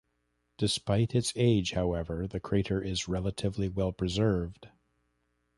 Despite its age, however, the crater is relatively well-preserved.